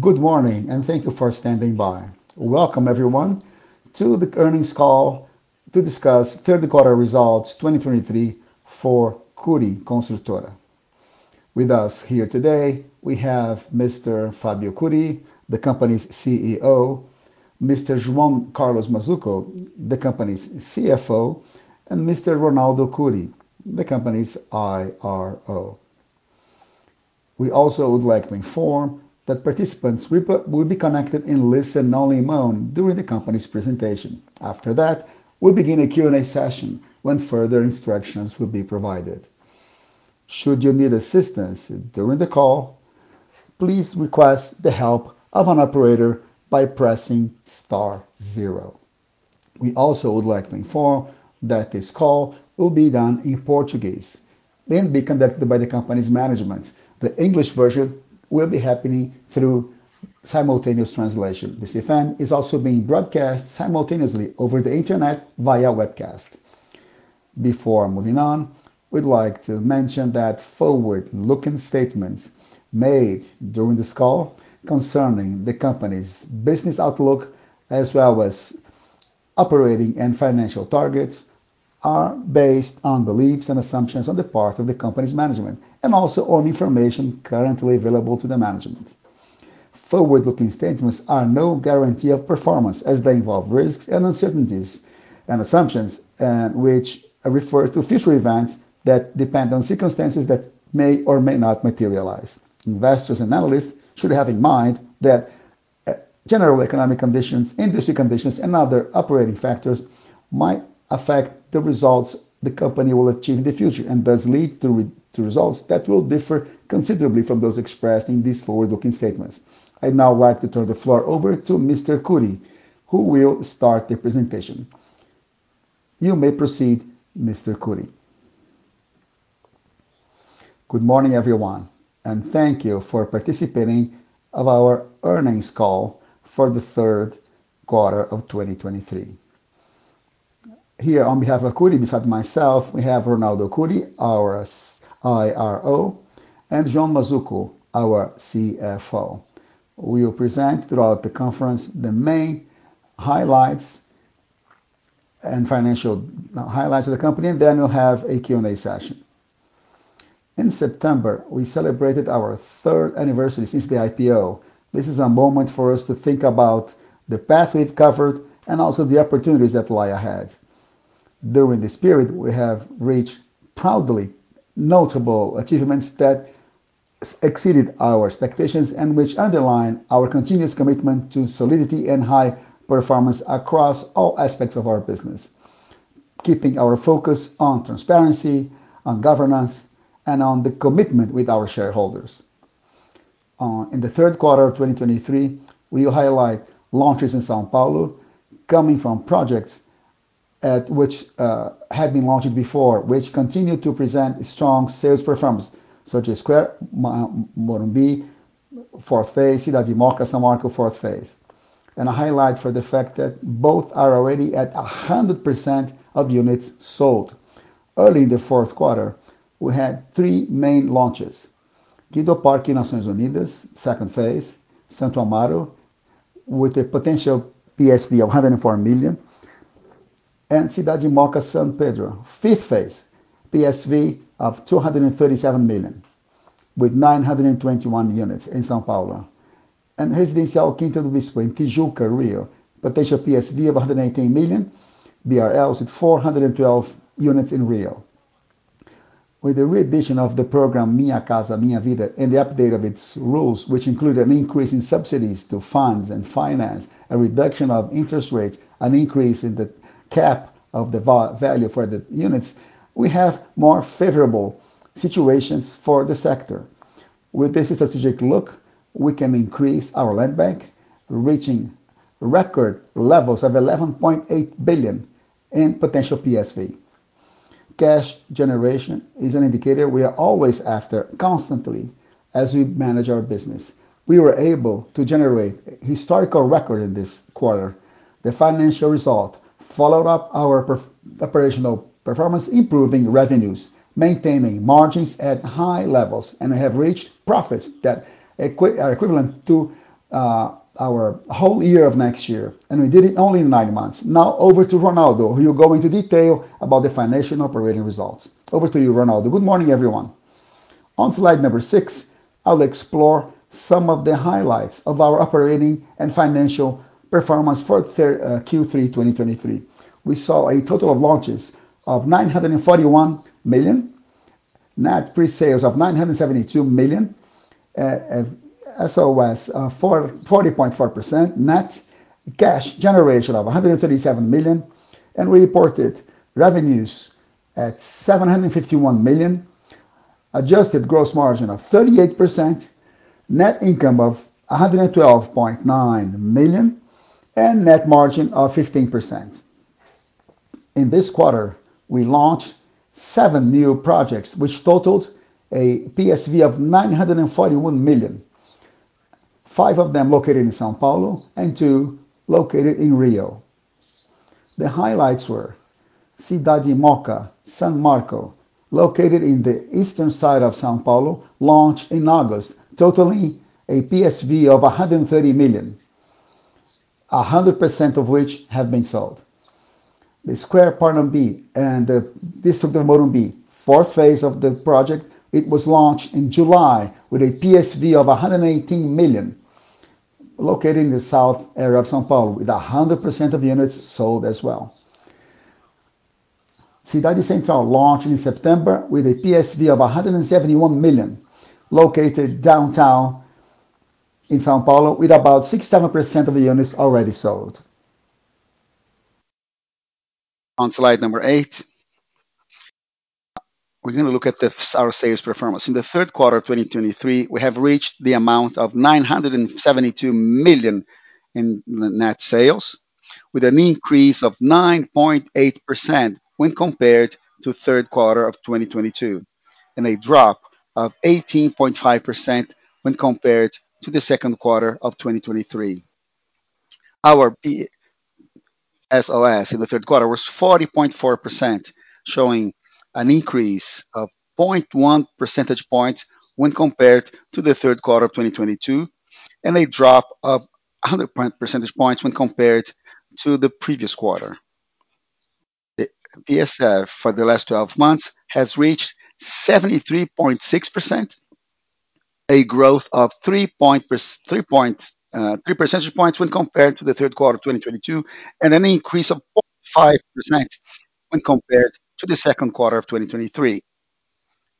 Good morning, and thank you for standing by. Welcome everyone, to the earnings call to discuss third quarter results 2023 for Cury Construtora. With us here today, we have Mr. Fábio Cury, the company's CEO, Mr. João Carlos Mazzuco, the company's CFO, and Mr. Ronaldo Cury, the company's IRO. We also would like to inform that participants will be connected in listen-only mode during the company's presentation. After that, we'll begin a Q&A session, when further instructions will be provided. Should you need assistance during the call, please request the help of an operator by pressing star zero. We also would like to inform that this call will be done in Portuguese, then be conducted by the company's management. The English version will be happening through simultaneous translation. This event is also being broadcast simultaneously over the Internet via webcast. Before moving on, we'd like to mention that forward-looking statements made during this call concerning the company's business outlook, as well as operating and financial targets, are based on beliefs and assumptions on the part of the company's management, and also on information currently available to the management. Forward-looking statements are no guarantee of performance as they involve risks and uncertainties, and assumptions, which refer to future events that depend on circumstances that may or may not materialize. Investors and analysts should have in mind that, general economic conditions, industry conditions, and other operating factors might affect the results the company will achieve in the future, and thus lead to results that will differ considerably from those expressed in these forward-looking statements. I'd now like to turn the floor over to Mr. Cury, who will start the presentation. You may proceed, Mr. Cury. Good morning, everyone, and thank you for participating in our earnings call for the third quarter of 2023. Here on behalf of Cury, beside myself, we have Ronaldo Cury, our IRO, and João Mazzuco, our CFO. We will present throughout the conference the main highlights and financial highlights of the company, and then we'll have a Q&A session. In September, we celebrated our third anniversary since the IPO. This is a moment for us to think about the path we've covered and also the opportunities that lie ahead. During this period, we have reached proudly notable achievements that exceeded our expectations and which underline our continuous commitment to solidity and high performance across all aspects of our business, keeping our focus on transparency, on governance, and on the commitment with our shareholders. In the third quarter of 2023, we highlight launches in São Paulo, coming from projects at which had been launched before, which continue to present strong sales performance, such as Square Morumbi fourth phase, Cidade Mooca San Marco fourth phase. A highlight for the fact that both are already at 100% of units sold. Early in the fourth quarter, we had three main launches: Dez Parque Nações Unidas, second phase, Santo Amaro, with a potential PSV of 104 million, and Cidade Mooca San Pedro, fifth phase, PSV of 237 million, with 921 units in São Paulo. Residencial Quinta do Bispo in Tijuca, Rio, potential PSV of 118 million with 412 units in Rio. With the re-edition of the program, Minha Casa, Minha Vida, and the update of its rules, which include an increase in subsidies to funds and finance, a reduction of interest rates, an increase in the cap of the va-value for the units, we have more favorable situations for the sector. With this strategic look, we can increase our land bank, reaching record levels of 11.8 billion in potential PSV. Cash generation is an indicator we are always after constantly as we manage our business. We were able to generate a historical record in this quarter. The financial result followed up our operational performance, improving revenues, maintaining margins at high levels, and we have reached profits that are equivalent to our whole year of next year, and we did it only in nine months. Now, over to Ronaldo, who will go into detail about the financial operating results. Over to you, Ronaldo. Good morning, everyone. On slide number six, I'll explore some of the highlights of our operating and financial performance for the third Q3 2023. We saw a total of launches of 941 million, net pre-sales of 972 million at SOS 40.4%, net cash generation of 137 million, and we reported revenues at 751 million, adjusted gross margin of 38%, net income of 112.9 million, and net margin of 15%. In this quarter, we launched 7 new projects, which totaled a PSV of 941 million, 5 of them located in São Paulo and 2 located in Rio. The highlights were Cidade Mooca San Marco, located in the eastern side of São Paulo, launched in August, totaling a PSV of 130 million, 100% of which have been sold. The Square Morumbi in the Distrito do Morumbi, fourth phase of the project, it was launched in July with a PSV of 118 million, located in the south area of São Paulo, with 100% of units sold as well. Cidade Central launched in September with a PSV of 171 million, located downtown in São Paulo, with about 67% of the units already sold. On slide number eight, we're gonna look at the-- our sales performance. In the third quarter of 2023, we have reached the amount of 972 million in net sales, with an increase of 9.8% when compared to third quarter of 2022, and a drop of 18.5% when compared to the second quarter of 2023. Our SOS in the third quarter was 40.4%, showing an increase of 0.1 percentage point when compared to the third quarter of 2022, and a drop of 100 percentage points when compared to the previous quarter. The PSF for the last twelve months has reached 73.6%, a growth of three point three percentage points when compared to the third quarter of 2022, and an increase of 0.5% when compared to the second quarter of 2023.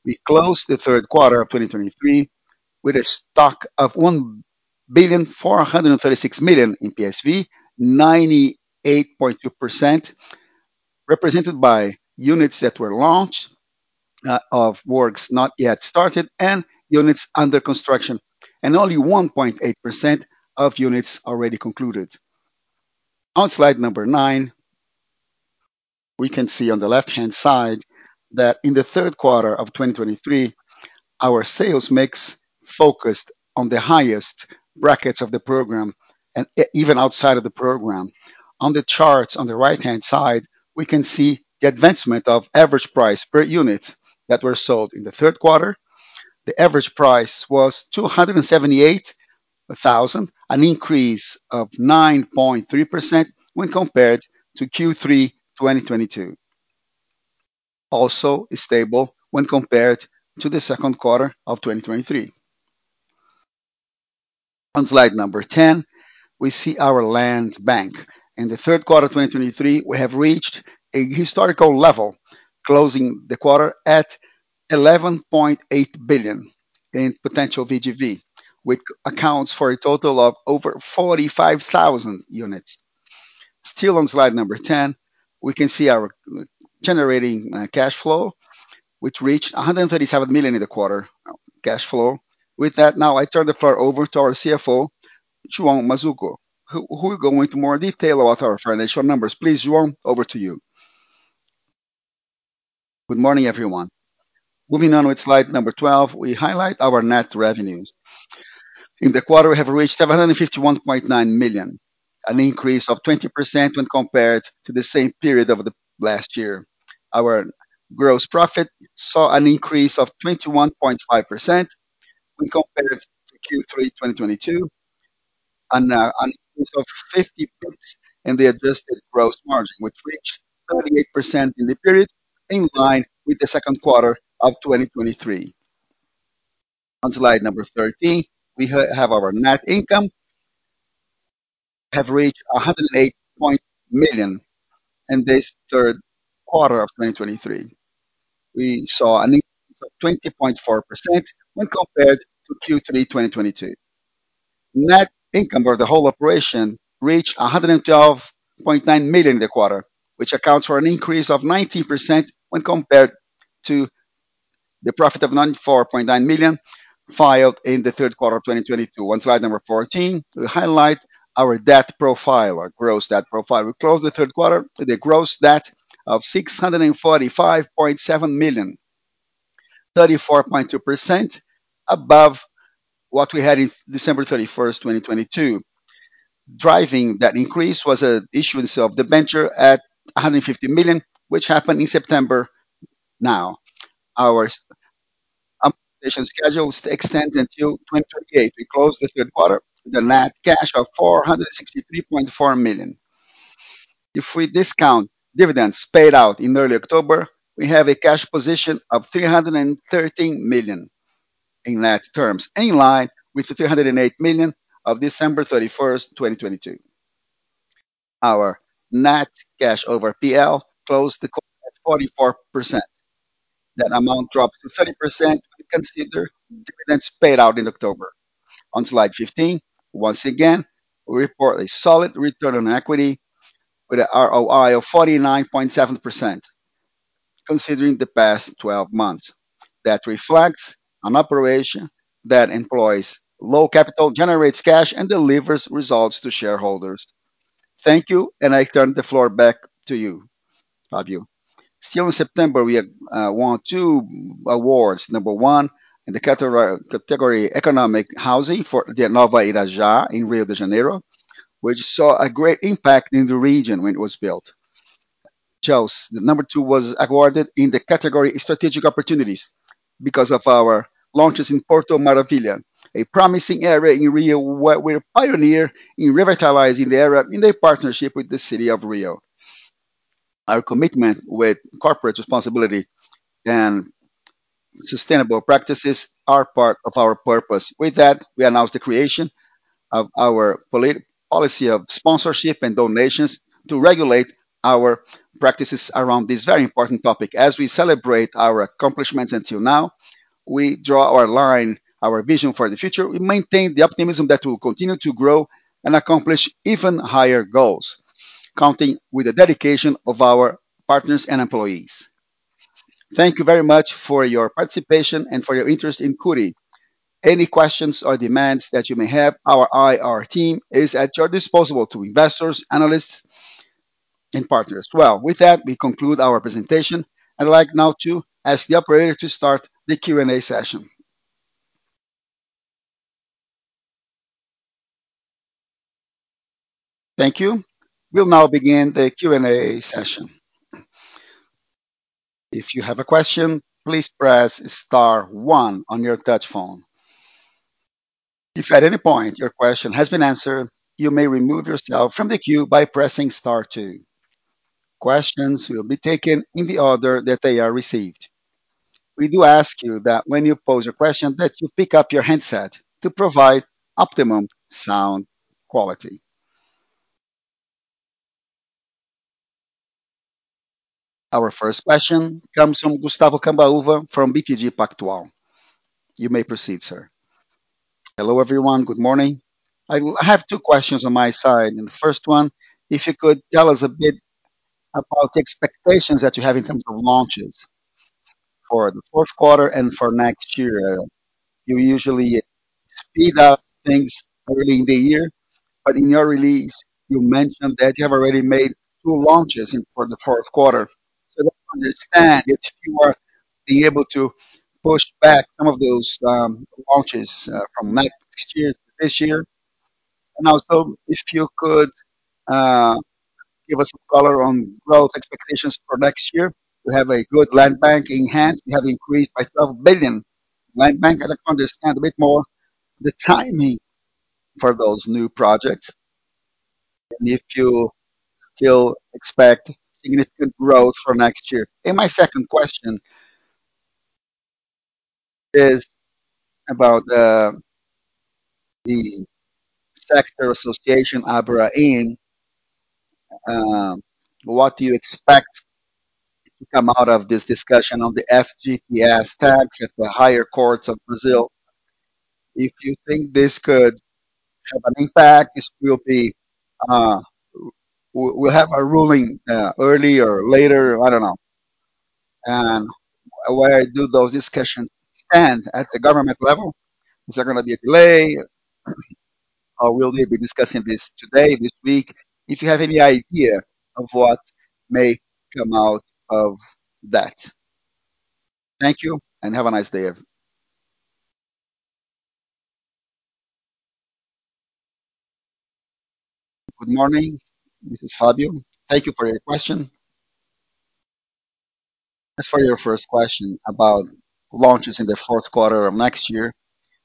We closed the third quarter of 2023 with a stock of 1,436 million in PSV, 98.2% represented by units that were launched of works not yet started and units under construction, and only 1.8% of units already concluded. On slide number nine, we can see on the left-hand side that in the third quarter of 2023, our sales mix focused on the highest brackets of the program and even outside of the program. On the charts on the right-hand side, we can see the advancement of average price per unit that were sold in the third quarter. The average price was 278,000, an increase of 9.3% when compared to Q3 2022. Also stable when compared to the second quarter of 2023. On slide number 10, we see our land bank. In the third quarter of 2023, we have reached a historical level, closing the quarter at 11.8 billion in potential VGV, which accounts for a total of over 45,000 units. Still on slide number 10, we can see our generating cash flow, which reached 137 million in the quarter, cash flow. With that, now I turn the floor over to our CFO, João Mazzuco, who, who will go into more detail about our financial numbers. Please, João, over to you. Good morning, everyone. Moving on with slide number 12, we highlight our net revenues. In the quarter, we have reached 751.9 million, an increase of 20% when compared to the same period of the last year. Our gross profit saw an increase of 21.5% when compared to Q3 2022, and an increase of 50 points in the adjusted gross margin, which reached 38% in the period, in line with the second quarter of 2023. On slide number 13, we have our net income have reached 108 million in this third quarter of 2023. We saw an increase of 20.4% when compared to Q3 2022. Net income for the whole operation reached 112.9 million in the quarter, which accounts for an increase of 19% when compared to the profit of 94.9 million filed in the third quarter of 2022. On slide number 14, we highlight our debt profile, our gross debt profile. We closed the third quarter with a gross debt of 645.7 million, 34.2% above what we had in December 31st, 2022. Driving that increase was an issuance of debenture at 150 million, which happened in September. Now, our amortization schedules extend until 2028. We closed the third quarter with a net cash of 463.4 million. If we discount dividends paid out in early October, we have a cash position of 313 million in net terms, in line with the 308 million of December 31st, 2022. Our net cash over PL closed the quarter at 44%. That amount dropped to 30% when you consider dividends paid out in October. On slide 15, once again, we report a solid return on equity with an ROI of 49.7%, considering the past 12 months. That reflects an operation that employs low capital, generates cash, and delivers results to shareholders. Thank you, and I turn the floor back to you, Fábio. Still in September, we won two awards. Number one, in the category, economic housing for the Nova Irajá in Rio de Janeiro, which saw a great impact in the region when it was built. Next, the number two, was awarded in the category Strategic Opportunities because of our launches in Porto Maravilha, a promising area in Rio, where we're pioneer in revitalizing the area in a partnership with the city of Rio. Our commitment with corporate responsibility and sustainable practices are part of our purpose. With that, we announced the creation of our policy of sponsorship and donations to regulate our practices around this very important topic. As we celebrate our accomplishments until now, we draw our line, our vision for the future. We maintain the optimism that we'll continue to grow and accomplish even higher goals, counting with the dedication of our partners and employees. Thank you very much for your participation and for your interest in Cury. Any questions or demands that you may have, our IR team is at your disposal to investors, analysts, and partners. Well, with that, we conclude our presentation. I'd like now to ask the operator to start the Q&A session. Thank you. We'll now begin the Q&A session. If you have a question, please press star one on your touch phone. If at any point your question has been answered, you may remove yourself from the queue by pressing star two. Questions will be taken in the order that they are received. We do ask you that when you pose a question, that you pick up your handset to provide optimum sound quality. Our first question comes from Gustavo Cambaúva from BTG Pactual. You may proceed, sir. Hello, everyone. Good morning. I have two questions on my side, and the first one, if you could tell us a bit about the expectations that you have in terms of launches for the fourth quarter and for next year. You usually speed up things early in the year, but in your release, you mentioned that you have already made two launches in—for the fourth quarter. So I don't understand if you are be able to push back some of those launches from next year to this year. And also, if you could give us some color on growth expectations for next year. You have a good land bank in hand. You have increased by 12 billion land bank. I'd like to understand a bit more the timing for those new projects and if you still expect significant growth for next year. And my second question is about the sector association, ABRAINC, what do you expect to come out of this discussion on the FGTS tax at the higher courts of Brazil? If you think this could have an impact, this will be, we'll have a ruling early or later, I don't know, and where do those discussions stand at the government level? Is there gonna be a delay, or will they be discussing this today, this week? If you have any idea of what may come out of that? Thank you, and have a nice day, everyone. Good morning, this is Fábio. Thank you for your question. As for your first question about launches in the fourth quarter of next year,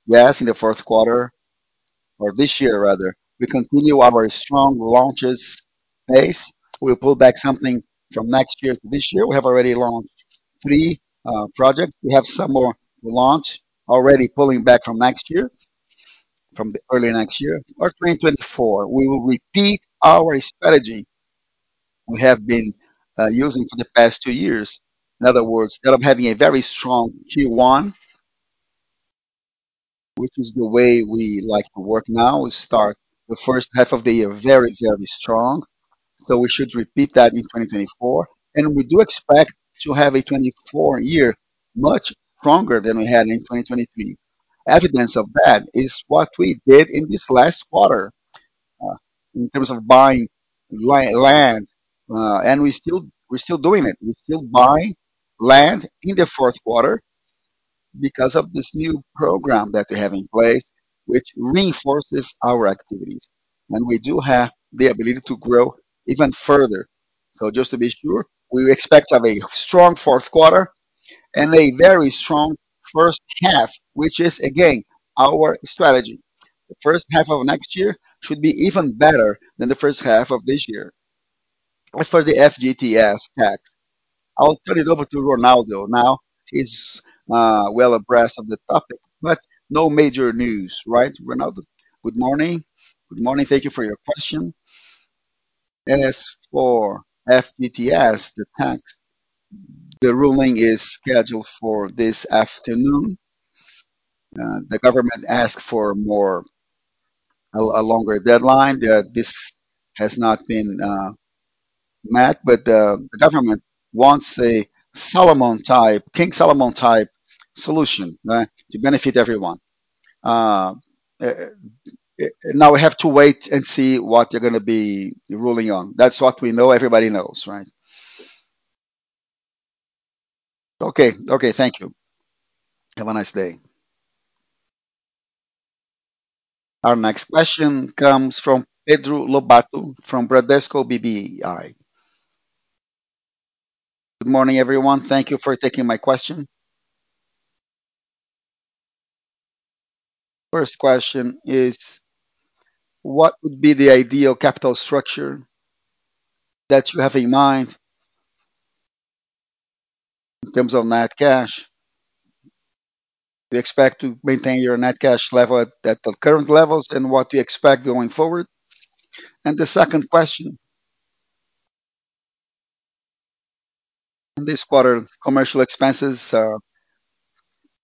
yes, in the fourth quarter or this year rather, we continue our strong launches pace. We pulled back something from next year to this year. We have already launched three projects. We have some more to launch, already pulling back from next year, from the early next year. For 2024, we will repeat our strategy we have been using for the past two years. In other words, end up having a very strong Q1, which is the way we like to work now. We start the first half of the year very, very strong, so we should repeat that in 2024, and we do expect to have a 2024 year, much stronger than we had in 2023. Evidence of that is what we did in this last quarter, in terms of buying land, and we still, we're still doing it. We're still buying land in the fourth quarter because of this new program that we have in place, which reinforces our activities, and we do have the ability to grow even further. So just to be sure, we expect to have a strong fourth quarter and a very strong first half, which is, again, our strategy. The first half of next year should be even better than the first half of this year. As for the FGTS tax, I'll turn it over to Ronaldo now. He's well abreast on the topic, but no major news, right, Ronaldo? Good morning. Good morning. Thank you for your question. As for FGTS, the tax, the ruling is scheduled for this afternoon. The government asked for more... a longer deadline. This has not been met, but the government wants a Solomon-type, King Solomon-type solution, right? To benefit everyone. Now we have to wait and see what they're gonna be ruling on. That's what we know everybody knows, right? Okay. Okay, thank you. Have a nice day. Our next question comes from Pedro Lobato from Bradesco BBI. Good morning, everyone. Thank you for taking my question. First question is, what would be the ideal capital structure that you have in mind in terms of net cash? Do you expect to maintain your net cash level at, at the current levels, and what do you expect going forward? And the second question, this quarter, commercial expenses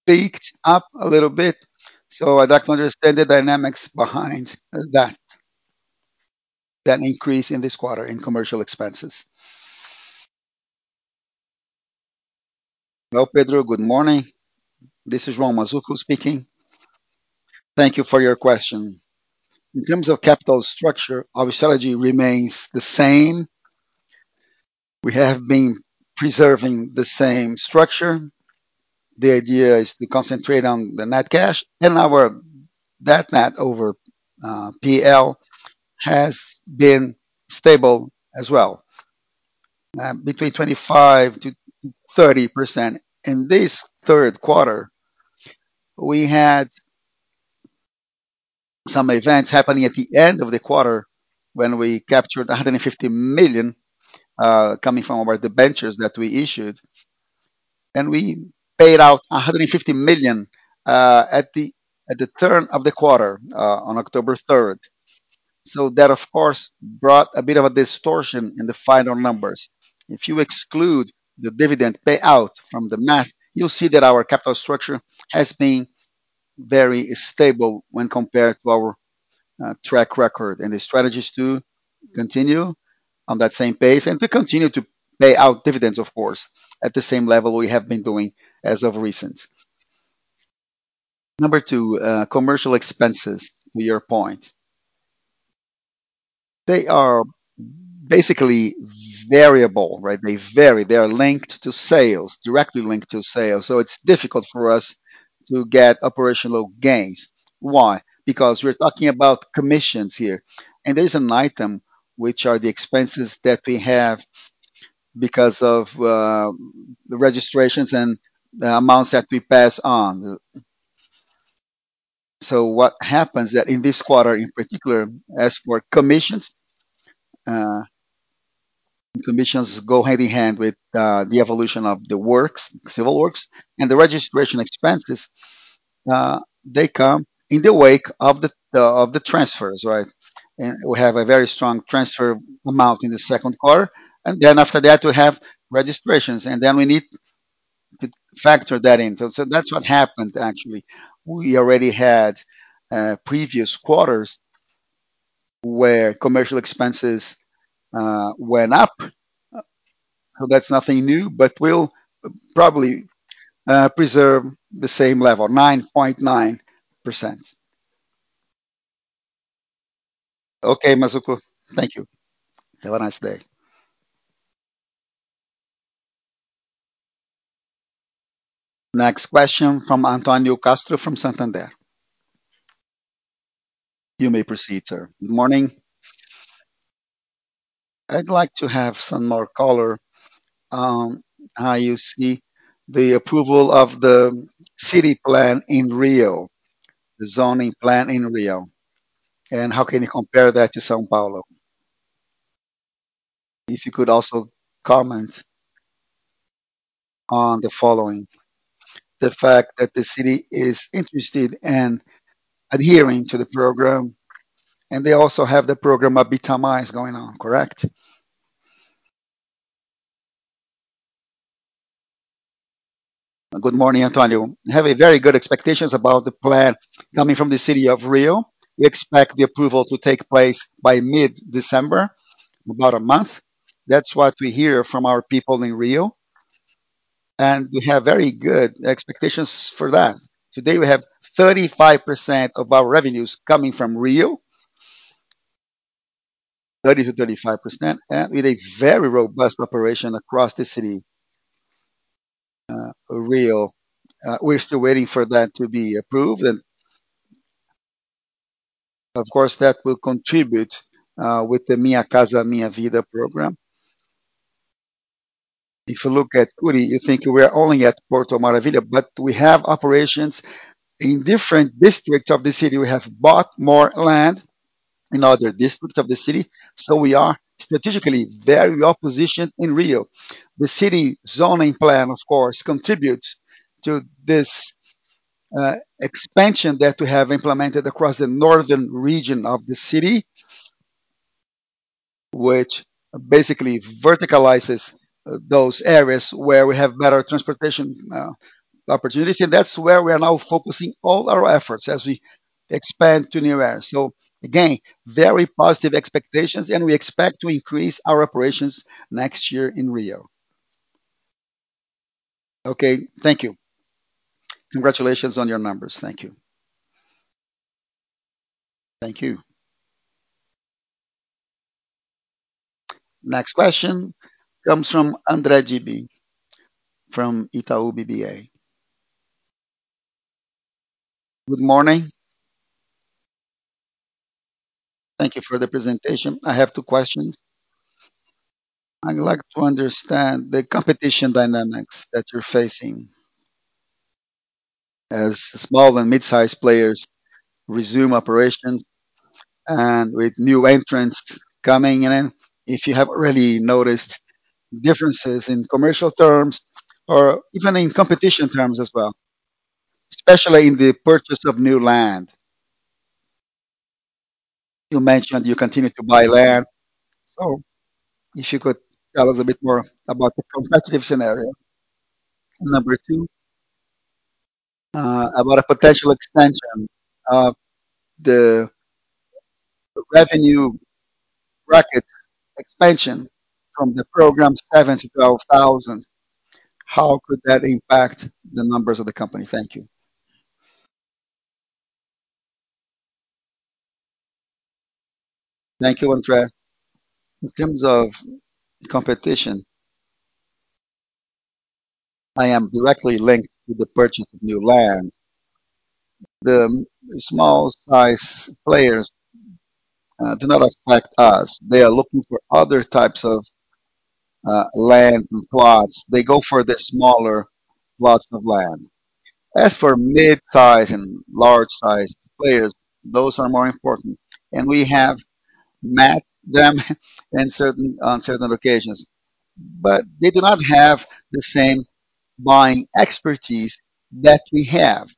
peaked up a little bit, so I'd like to understand the dynamics behind that, that increase in this quarter in commercial expenses. Well, Pedro, good morning. This is João Mazzuco speaking. Thank you for your question. In terms of capital structure, our strategy remains the same. We have been preserving the same structure. The idea is to concentrate on the net cash, and our debt net over PL has been stable as well, between 25%-30%. In this third quarter, we had some events happening at the end of the quarter when we captured 150 million coming from our debentures that we issued, and we paid out 150 million at the turn of the quarter on October third. So that, of course, brought a bit of a distortion in the final numbers. If you exclude the dividend payout from the math, you'll see that our capital structure has been very stable when compared to our track record. The strategy is to continue on that same pace and to continue to pay out dividends, of course, at the same level we have been doing as of recent. Number two, commercial expenses, to your point, they are basically variable, right? They vary. They are linked to sales, directly linked to sales, so it's difficult for us to get operational gains. Why? Because we're talking about commissions here, and there's an item, which are the expenses that we have because of the registrations and the amounts that we pass on. So what happens that in this quarter, in particular, as for commissions, commissions go hand in hand with the evolution of the works, civil works, and the registration expenses, they come in the wake of the transfers, right? And we have a very strong transfer amount in the second quarter, and then after that, we have registrations, and then we need to factor that in. So that's what happened, actually. We already had previous quarters where commercial expenses went up, so that's nothing new, but we'll probably preserve the same level, 9.9%. Okay, Mazzuco. Thank you. Have a nice day. Next question from Antonio Castrucci from Santander. You may proceed, sir. Good morning. I'd like to have some more color on how you see the approval of the city plan in Rio, the zoning plan in Rio, and how can you compare that to São Paulo? If you could also comment on the following: the fact that the city is interested in adhering to the program, and they also have the program Minha Casa Minha Vida going on, correct? Good morning, Antonio. We have a very good expectations about the plan coming from the city of Rio. We expect the approval to take place by mid-December, about a month. That's what we hear from our people in Rio, and we have very good expectations for that. Today, we have 35% of our revenues coming from Rio, 30%-35%, and with a very robust operation across the city, Rio. We're still waiting for that to be approved, and of course, that will contribute with the Minha Casa Minha Vida program. If you look at Cury, you think we are only at Porto Maravilha, but we have operations in different districts of the city. We have bought more land in other districts of the city, so we are strategically very well positioned in Rio. The city zoning plan, of course, contributes to this, expansion that we have implemented across the northern region of the city, which basically verticalizes, those areas where we have better transportation, opportunities, and that's where we are now focusing all our efforts as we expand to new areas. So again, very positive expectations, and we expect to increase our operations next year in Rio... Okay, thank you. Congratulations on your numbers. Thank you. Thank you. Next question comes from Andre Gibaut from Itaú BBA. Good morning. Thank you for the presentation. I have two questions. I'd like to understand the competition dynamics that you're facing as small and mid-sized players resume operations, and with new entrants coming in, if you have already noticed differences in commercial terms or even in competition terms as well, especially in the purchase of new land. You mentioned you continue to buy land, so if you could tell us a bit more about the competitive scenario? Number two, about a potential expansion of the revenue bracket expansion from the program seven to 12,000, how could that impact the numbers of the company? Thank you. Thank you, Andre. In terms of competition, I am directly linked to the purchase of new land. The small size players do not affect us. They are looking for other types of land and plots. They go for the smaller plots of land. As for mid-size and large-sized players, those are more important, and we have met them in certain occasions, but they do not have the same buying expertise that we have.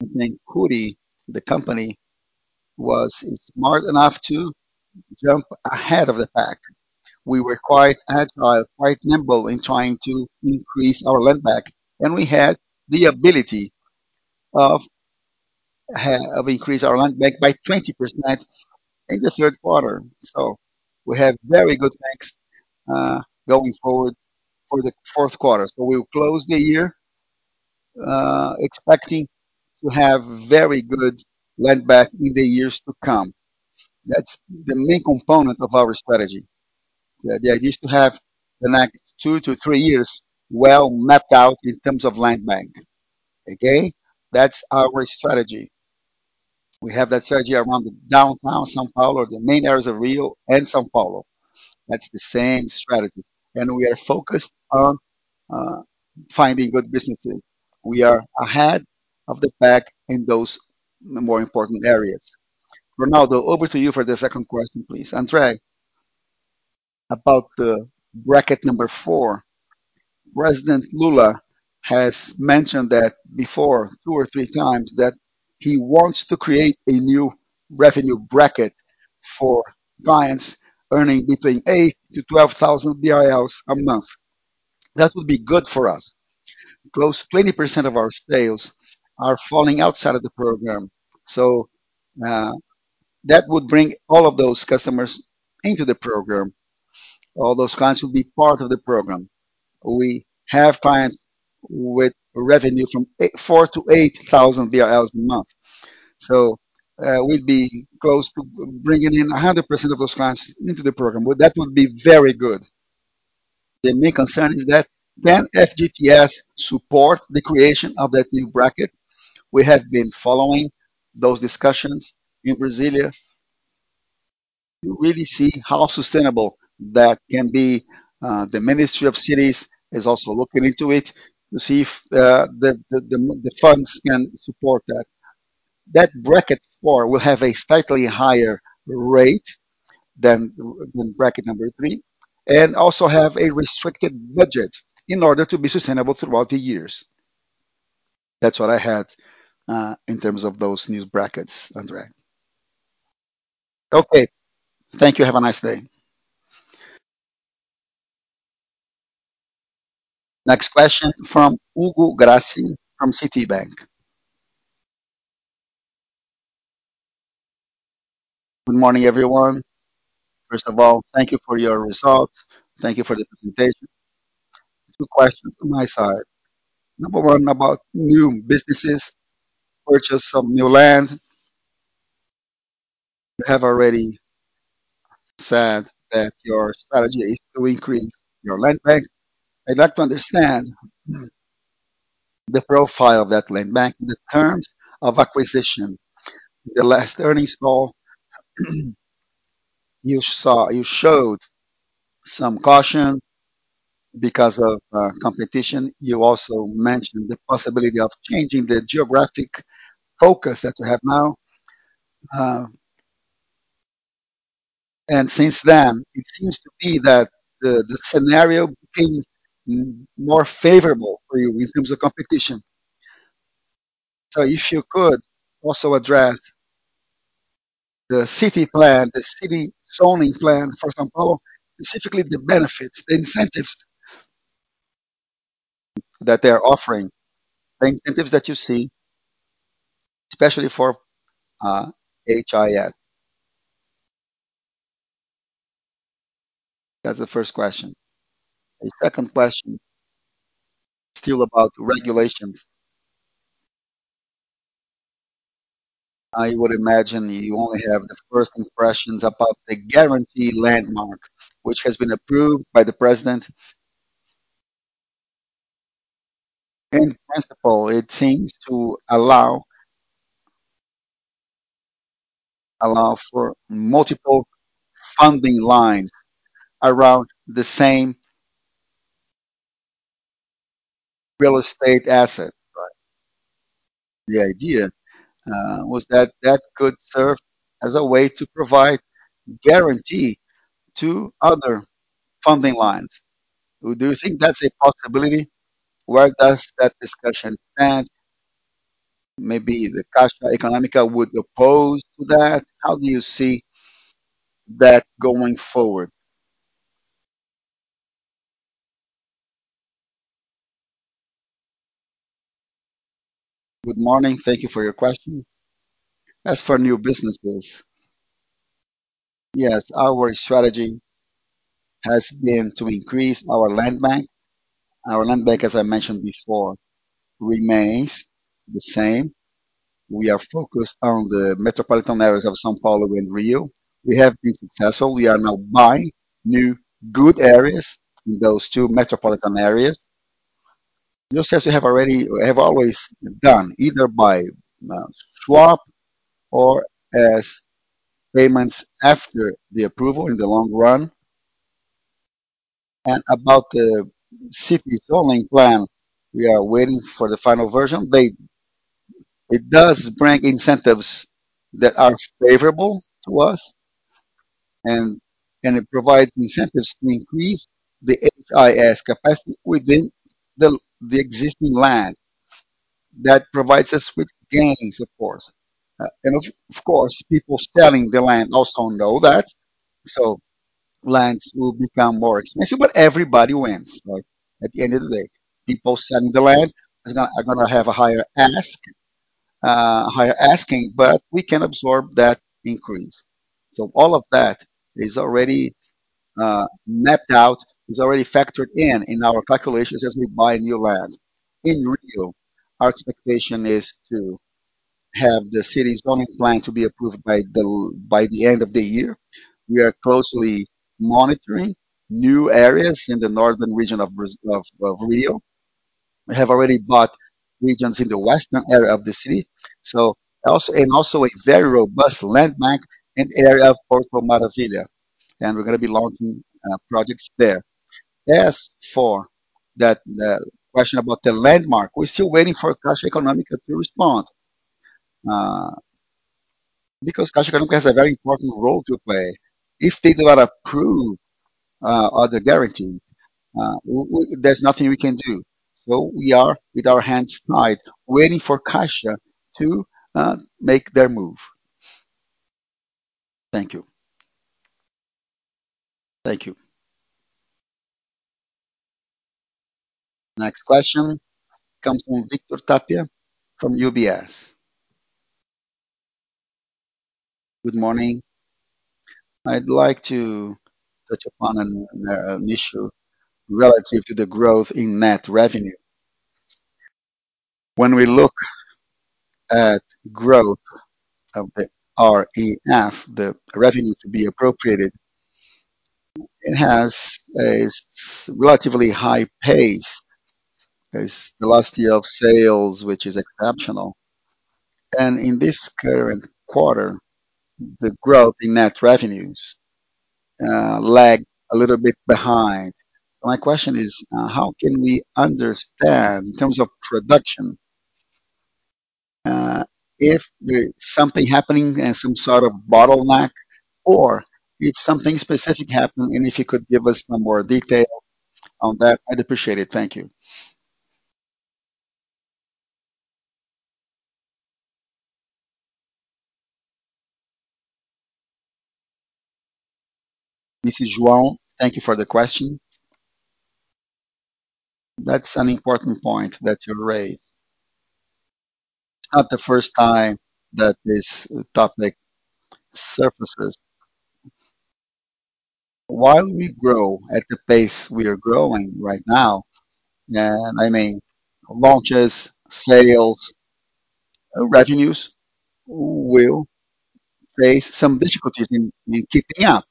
And Cury, the company, was smart enough to jump ahead of the pack. We were quite agile, quite nimble in trying to increase our land bank, and we had the ability of increasing our land bank by 20% in the third quarter. So we have very good banks going forward for the fourth quarter. So we'll close the year expecting to have very good land bank in the years to come. That's the main component of our strategy. The idea is to have the next two to three years well mapped out in terms of land bank. Okay? That's our strategy. We have that strategy around the downtown São Paulo, the main areas of Rio and São Paulo. That's the same strategy, and we are focused on finding good businesses. We are ahead of the pack in those more important areas. Ronaldo, over to you for the second question, please. Andre, about the bracket number four, President Lula has mentioned that before, two or 3x, that he wants to create a new revenue bracket for clients earning between 8,000-12,000 BRL a month. That would be good for us. Close to 20% of our sales are falling outside of the program, so, that would bring all of those customers into the program. All those clients will be part of the program. We have clients with revenue from four to 8,000 BRLs a month, so, we'd be close to bringing in 100% of those clients into the program. Well, that would be very good. The main concern is that can FGTS support the creation of that new bracket? We have been following those discussions in Brasília to really see how sustainable that can be. The Ministry of Cities is also looking into it to see if the funds can support that. That bracket four will have a slightly higher rate than bracket number three, and also have a restricted budget in order to be sustainable throughout the years. That's what I had in terms of those new brackets, Andre. Okay. Thank you. Have a nice day. Next question from Hugo Grassi, from Citibank. Good morning, everyone. First of all, thank you for your results. Thank you for the presentation. Two questions from my side. Number one, about new businesses, purchase of new land. You have already said that your strategy is to increase your land bank. I'd like to understand the profile of that land bank, the terms of acquisition. The last earnings call, you showed some caution because of competition. You also mentioned the possibility of changing the geographic focus that you have now. And since then, it seems that the scenario became more favorable for you in terms of competition. So if you could also address the city plan, the city zoning plan, for São Paulo, specifically, the benefits, the incentives that they are offering, the incentives that you see, especially for HIS. That's the first question. The second question, still about regulations. I would imagine you only have the first impressions about the guarantee landmark, which has been approved by the president. In principle, it seems to allow for multiple funding lines around the same real estate asset, right? The idea was that that could serve as a way to provide guarantee to other funding lines. Do you think that's a possibility? Where does that discussion stand? Maybe the Caixa Econômica would oppose to that. How do you see that going forward? Good morning. Thank you for your question. As for new businesses, yes, our strategy has been to increase our land bank. Our land bank, as I mentioned before, remains the same. We are focused on the metropolitan areas of São Paulo and Rio. We have been successful. We are now buying new good areas in those two metropolitan areas. Just as we have already have always done, either by swap or as payments after the approval in the long run. And about the city zoning plan, we are waiting for the final version. It does bring incentives that are favorable to us, and it provides incentives to increase the HIS capacity within the existing land. That provides us with gains, of course. Of course, people selling the land also know that, so lands will become more expensive, but everybody wins, right? At the end of the day, people selling the land are gonna have a higher ask, higher asking, but we can absorb that increase. So all of that is already mapped out, is already factored in in our calculations as we buy new land. In Rio, our expectation is to have the city's zoning plan to be approved by the end of the year. We are closely monitoring new areas in the northern region of Rio. We have already bought regions in the western area of the city, and also a very robust land bank in the area of Porto Maravilha, and we're gonna be launching projects there. As for that, question about the landmark, we're still waiting for Caixa Econômica to respond, because Caixa Econômica has a very important role to play. If they do not approve, other guarantees, there's nothing we can do. So we are, with our hands tied, waiting for Caixa to, make their move. Thank you. Thank you. Next question comes from Victor Tapia from UBS. Good morning. I'd like to touch upon an, an issue relative to the growth in net revenue. When we look at growth of the REF, the revenue to be appropriated, it has a relatively high pace, a velocity of sales, which is exceptional. And in this current quarter, the growth in net revenues, lagged a little bit behind. My question is, how can we understand, in terms of production, if there's something happening and some sort of bottleneck or if something specific happened, and if you could give us some more detail on that, I'd appreciate it. Thank you. This is João. Thank you for the question. That's an important point that you raised. Not the first time that this topic surfaces. While we grow at the pace we are growing right now, and I mean, launches, sales, revenues will face some difficulties in, in keeping up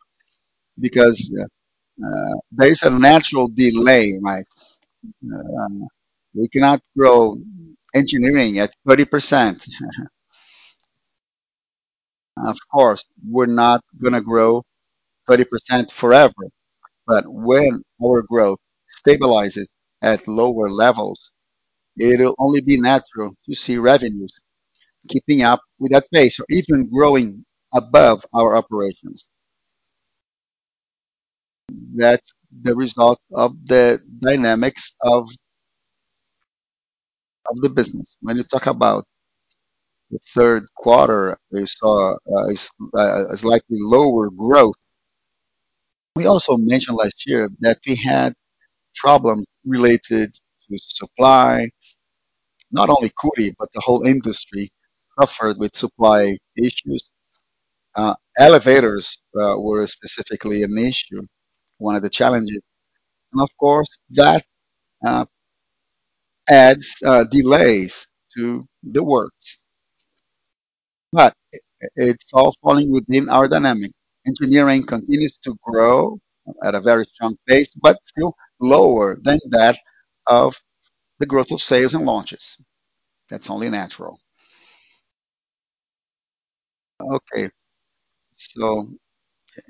because, there is a natural delay, right? We cannot grow engineering at 30%. Of course, we're not gonna grow 30% forever, but when our growth stabilizes at lower levels, it'll only be natural to see revenues keeping up with that pace or even growing above our operations. That's the result of the dynamics of the business. When you talk about the third quarter, we saw a slightly lower growth. We also mentioned last year that we had problems related to supply. Not only Cury, but the whole industry suffered with supply issues. Elevators were specifically an issue, one of the challenges, and of course, that adds delays to the works. But it's all falling within our dynamics. Engineering continues to grow at a very strong pace, but still lower than that of the growth of sales and launches. That's only natural. Okay. So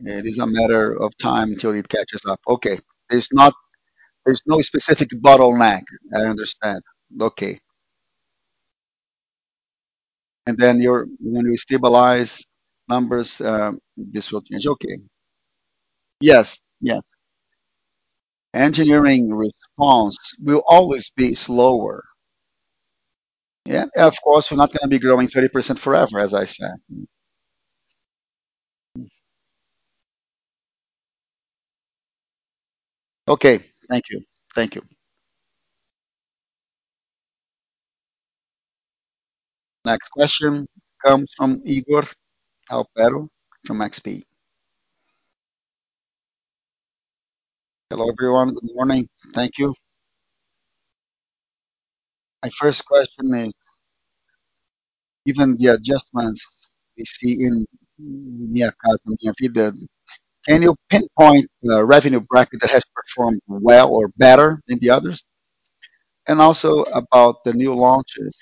it is a matter of time until it catches up. Okay. There's no specific bottleneck. I understand. Okay. And then when we stabilize numbers, this will change. Okay. Yes, yes. Engineering response will always be slower. Yeah, of course, we're not gonna be growing 30% forever, as I said. Okay. Thank you. Thank you. Next question comes from Ygor Altero from XP. Hello, everyone. Good morning. Thank you. My first question is, given the adjustments we see in Minha Casa Minha Vida, can you pinpoint the revenue bracket that has performed well or better than the others? And also about the new launches,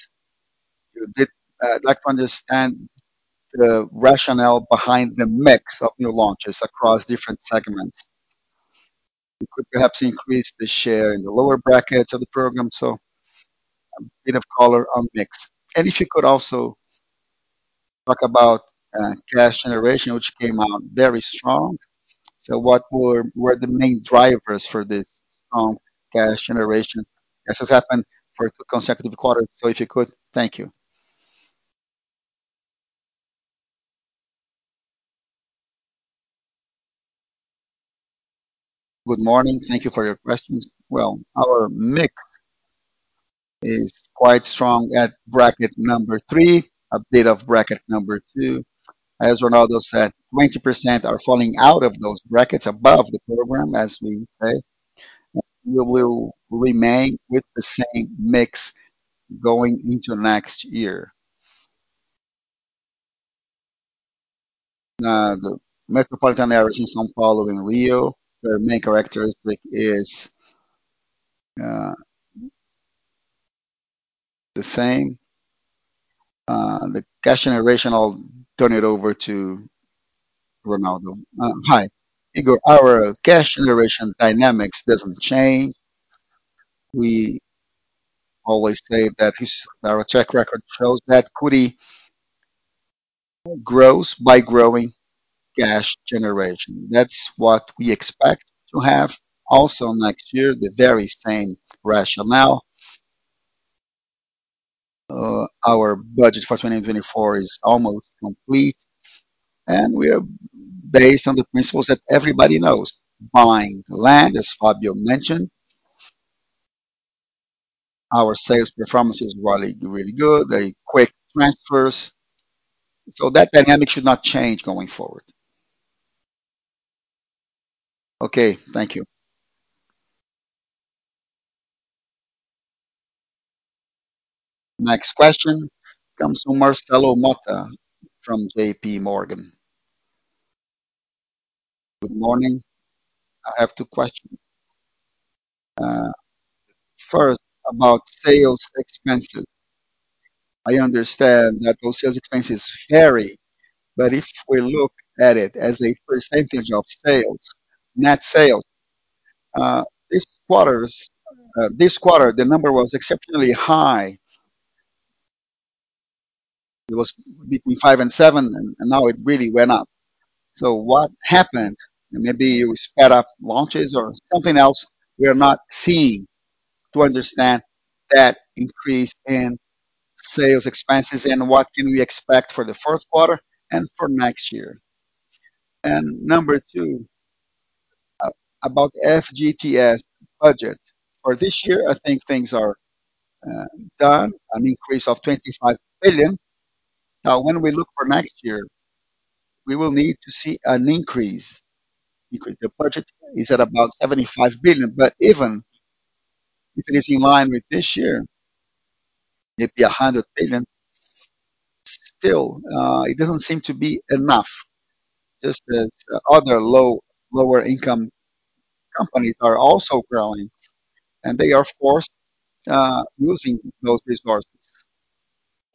did, I'd like to understand the rationale behind the mix of new launches across different segments. You could perhaps increase the share in the lower brackets of the program, so a bit of color on mix. And if you could also talk about cash generation, which came out very strong. So what were the main drivers for this strong cash generation, as has happened for two consecutive quarters? So if you could. Thank you. Good morning. Thank you for your questions. Well, our mix is quite strong at bracket number three, a bit of bracket number two. As Ronaldo said, 20% are falling out of those brackets above the program, as we say. We will remain with the same mix going into next year. The metropolitan areas in São Paulo and Rio, their main characteristic is the same. The cash generation, I'll turn it over to Ronaldo. Hi. Ygor, our cash generation dynamics doesn't change. We always say that this, our track record shows that Cury grows by growing cash generation. That's what we expect to have also next year, the very same rationale. Our budget for 2024 is almost complete, and we are based on the principles that everybody knows: buying land, as Fábio mentioned, our sales performance is really, really good, the quick transfers, so that dynamic should not change going forward. Okay, thank you. Next question comes from Marcelo Motta, from JP Morgan. Good morning. I have two questions. First, about sales expenses. I understand that those sales expenses vary, but if we look at it as a percentage of sales, net sales, this quarter's, this quarter, the number was exceptionally high. It was between 5%-7%, and now it really went up. So what happened? Maybe you sped up launches or something else we are not seeing to understand that increase in sales expenses, and what can we expect for the first quarter and for next year? And number two, about FGTS budget. For this year, I think things are done, an increase of 25 billion. Now, when we look for next year, we will need to see an increase because the budget is at about 75 billion, but even if it is in line with this year, it'd be 100 billion. Still, it doesn't seem to be enough, just as other low, lower income companies are also growing, and they are forced using those resources.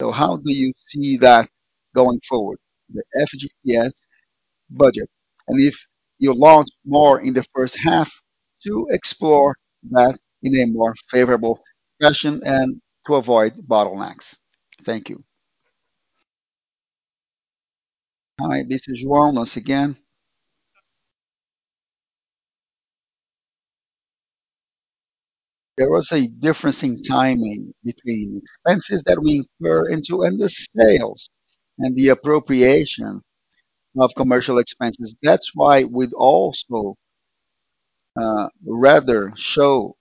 So how do you see that going forward, the FGTS budget? And if you launch more in the first half to explore that in a more favorable fashion and to avoid bottlenecks. Thank you. Hi, this is João once again. There was a difference in timing between expenses that we incur into, and the sales, and the appropriation of commercial expenses. That's why we'd also rather show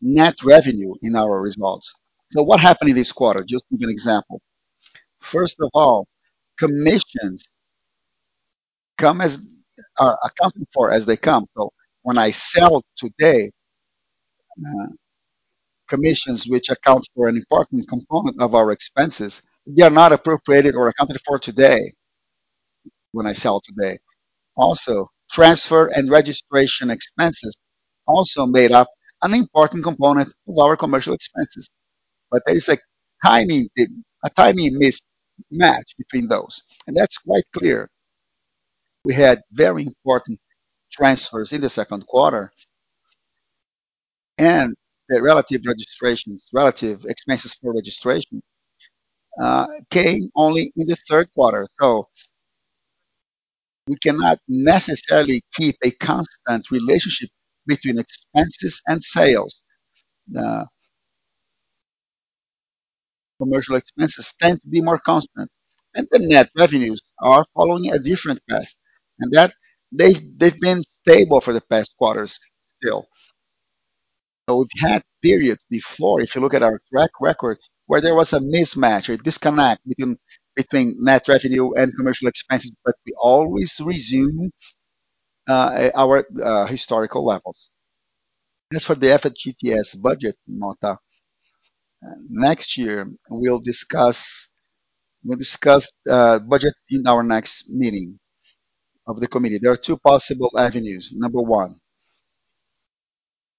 net revenue in our results. So what happened in this quarter? Just to give an example. First of all, commissions come as they are accounted for as they come. So when I sell today, commissions, which accounts for an important component of our expenses, they are not appropriated or accounted for today when I sell today. Also, transfer and registration expenses also made up an important component of our commercial expenses. But there is a timing, a timing mismatch between those, and that's quite clear. We had very important transfers in the second quarter, and the relative registrations, relative expenses for registration, came only in the third quarter. So we cannot necessarily keep a constant relationship between expenses and sales. The commercial expenses tend to be more constant, and the net revenues are following a different path, and that they, they've been stable for the past quarters still. So we've had periods before, if you look at our track record, where there was a mismatch or disconnect between between net revenue and commercial expenses, but we always resume our historical levels. As for the FGTS budget, Motta, next year, we'll discuss budget in our next meeting of the committee. There are two possible avenues. Number one,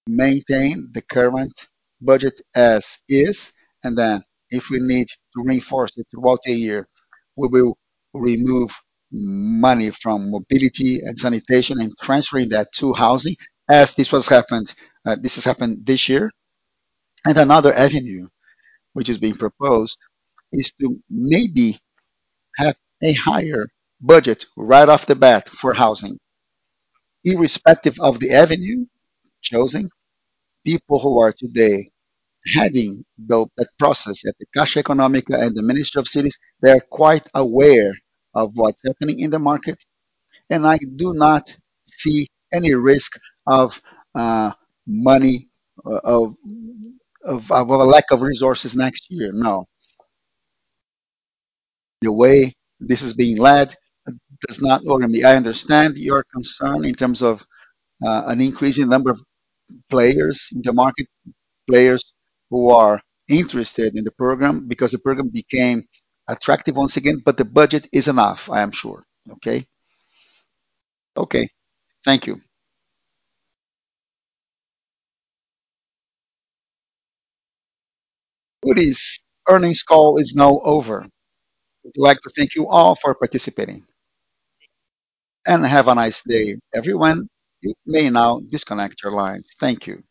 maintain the current budget as is, and then if we need to reinforce it throughout the year, we will remove money from mobility and sanitation and transferring that to housing, as this has happened this year. And another avenue which is being proposed is to maybe have a higher budget right off the bat for housing. Irrespective of the avenue chosen, people who are today heading the, that process at the Caixa Econômica Federal and the Ministry of Cities, they are quite aware of what's happening in the market, and I do not see any risk of, money, of, of, of a lack of resources next year, no. The way this is being led does not worry me. I understand your concern in terms of, an increasing number of players in the market, players who are interested in the program, because the program became attractive once again, but the budget is enough, I am sure. Okay? Okay. Thank you. Our earnings call is now over. We'd like to thank you all for participating, and have a nice day, everyone. You may now disconnect your lines. Thank you.